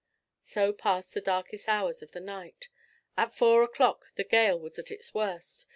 So passed the darkest hours of the night. At four o'clock the gale was at its worst.